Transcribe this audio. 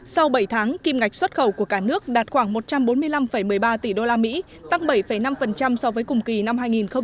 sau bảy tháng kim ngạch xuất khẩu của cả nước đạt khoảng một trăm bốn mươi năm một mươi ba tỷ usd tăng bảy năm so với cùng kỳ năm hai nghìn một mươi chín